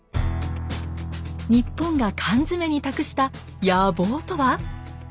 日本が缶詰に託した野望とは？